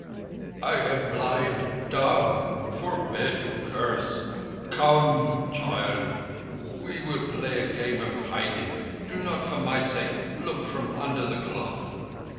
"I am blind—dumb. Forbear to curse! Co—come, child; we will play a game of hiding. Do not, for my sake, look from under the cloth."